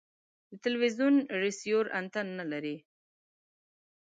د تلوزیون ریسیور انتن نلري